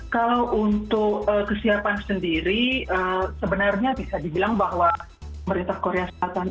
kalau untuk kesiapan sendiri sebenarnya bisa dibilang bahwa pemerintah korea selatan